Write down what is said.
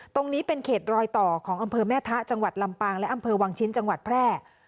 ตรงนี้เป็นเขตรอยต่อของอำเภอแม่ทะจังหวัดลำปางและอำเภอวังชิ้นจังหวัดแพร่